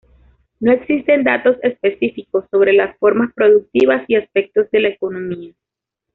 No existen datos específicos sobre las formas productivas y aspectos de la economía.